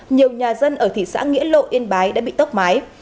nhiều nhà dân ở thị xã nghĩa lộ yên bái đã bị tốc mái